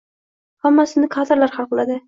Hammasini kadrlar hal qiladi!